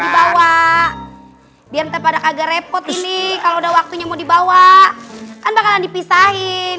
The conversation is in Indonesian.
dibawa biar pada kagak repot ini kalau udah waktunya mau dibawa kan bakalan dipisahin